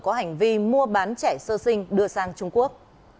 có hành vi mua bán trẻ sơ sinh đưa sang trung quốc